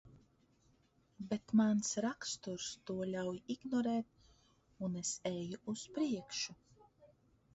Bet mans raksturs to ļauj ignorēt, un es eju uz priekšu.